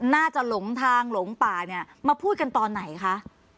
หลงทางหลงป่าเนี่ยมาพูดกันตอนไหนคะ